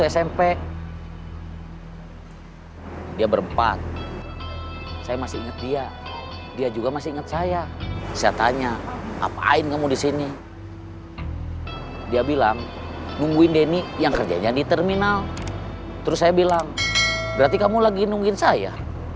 sampai jumpa di video selanjutnya